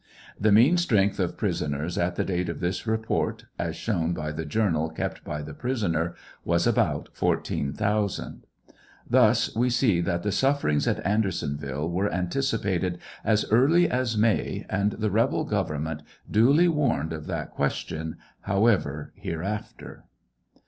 The mean strength of prisoners at the date of this report, as shown by the journal kept by the prisoner, was about 14,000. Thus we see that the sufferings at Andersonville were anticipated as early as May, and the rebel government duly warned of that question, however, here after.